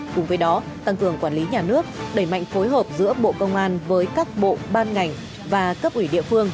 cùng với đó tăng cường quản lý nhà nước đẩy mạnh phối hợp giữa bộ công an với các bộ ban ngành và cấp ủy địa phương